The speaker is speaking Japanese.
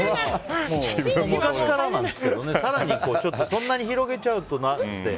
そんなに広げちゃうとなって。